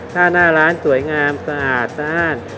ถ้าหน้าร้านสวยงามสะอาดต้าน